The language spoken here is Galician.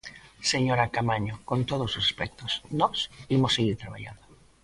Señora Caamaño, con todos os respectos, nós imos seguir traballando.